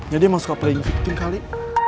jadi emang suka playing victim kali